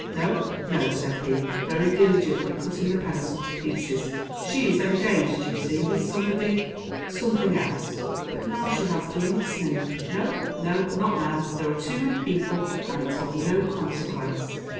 "No, no," said he, very diligently cutting the pencil to pieces; "she is engaged, you see, with somebody something else." "But now she has done listening." "No, no, not now; there are too many people, and it's of no consequence."